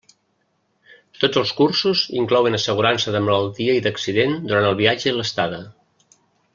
Tots els cursos inclouen assegurança de malaltia i d'accident durant el viatge i l'estada.